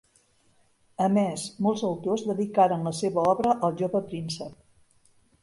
A més, molts autors dedicaren la seva obra al jove príncep.